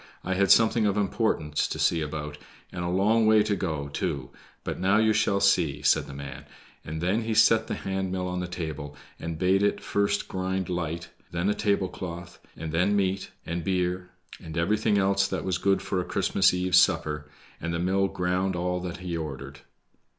I had something of importance to see about, and a long way to go, too; but now you shall just see!" said the man, and then he set the hand mill on the table and bade it first grind light, then a tablecloth, and then meat, and beer, and everything else that was good for a Christmas eve's supper; and the mill ground all that he ordered.